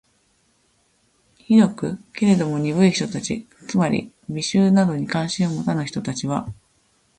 醜く？けれども、鈍い人たち（つまり、美醜などに関心を持たぬ人たち）は、